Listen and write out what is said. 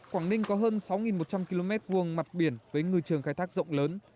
quảng ninh có hơn sáu một trăm linh km vuông mặt biển với ngư trường khai thác rộng lớn